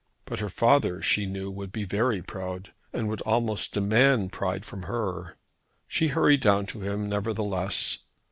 But her father she knew would be very proud, and would almost demand pride from her. She hurried down to him nevertheless.